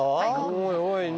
おいおい。